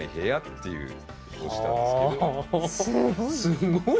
すごい！